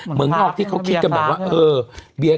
เหมือนที่เขาคิดกันแบบว่า